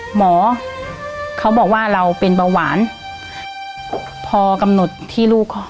หมอเขาบอกว่าเราเป็นเบาหวานพอกำหนดที่ลูกคอ